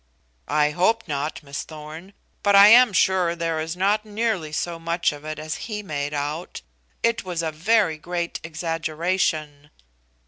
"I hope not, Miss Thorn. But I am sure there is not nearly so much of it as he made out. It was a very great exaggeration."